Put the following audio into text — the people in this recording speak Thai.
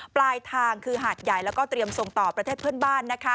ปลายทางคือหาดใหญ่แล้วก็เตรียมส่งต่อประเทศเพื่อนบ้าน